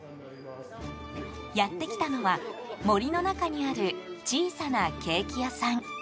やってきたのは、森の中にある小さなケーキ屋さん。